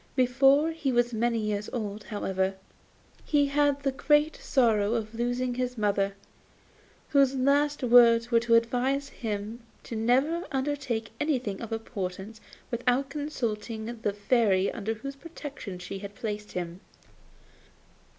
Before he was many years old, however, he had the great sorrow of losing his mother, whose last words were to advise him never to undertake anything of importance without consulting the Fairy under whose protection she had placed him.